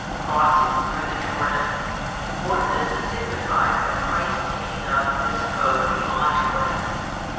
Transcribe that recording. crossing through the Jordan; for this is signified by Christ taking up His abode beyond Jordan.